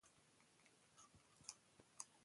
په افغانستان کې کندز سیند ډېر زیات اهمیت لري.